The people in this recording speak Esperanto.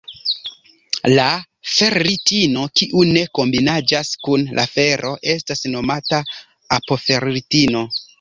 La ferritino kiu ne kombiniĝas kun la fero estas nomata apoferritino.